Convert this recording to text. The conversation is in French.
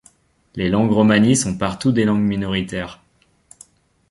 Les langues romanies sont partout des langues minoritaires.